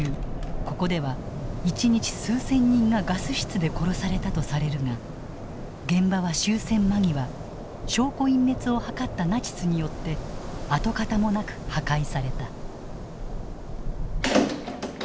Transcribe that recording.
ここでは一日数千人がガス室で殺されたとされるが現場は終戦間際証拠隠滅を図ったナチスによって跡形もなく破壊された。